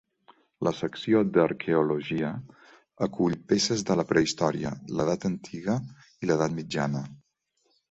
La secció d'arqueologia acull peces de la prehistòria, l'edat antiga i l'edat mitjana.